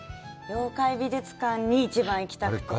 妖怪美術館に一番行きたくて。